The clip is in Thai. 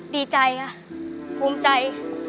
ดีใจค่ะภูมิใจ